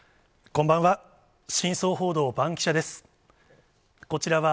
こんばんは。